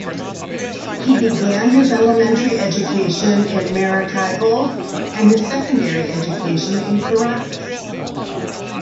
He began his elementary education in Maracaibo, and his secondary education in Caracas.